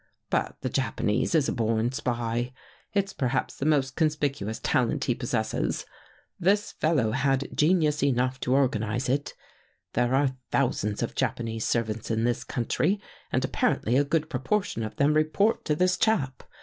But the Japanese is a born spy. It's perhaps the most conspicuous talent he possesses. This fellow had genius enough to organize it. There are thou sands of Japanese servants in this country and ap parently a good proportion of them report to this chap.